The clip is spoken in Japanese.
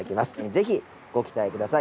ぜひご期待ください。